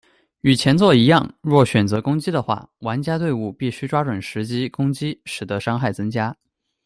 与前作一样，若选择攻击的话，玩家队伍必须抓准时机攻击使得伤害增加。